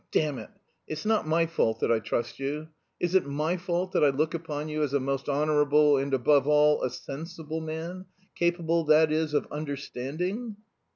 damn it! It's not my fault that I trust you! Is it my fault that I look upon you as a most honourable and, above all, a sensible man... capable, that is, of understanding...